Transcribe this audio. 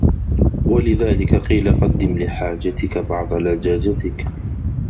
وَلِذَلِكَ قِيلَ قَدِّمْ لِحَاجَتِك بَعْضَ لَجَاجَتِك